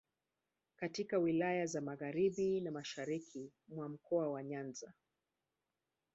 katika wilaya za magharibi na mashariki mwa Mkoa wa Nyanza